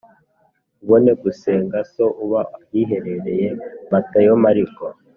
ubone gusenga So uba ahiherereye Matayo Mariko